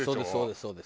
そうです